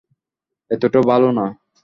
এতোটা ভালো না।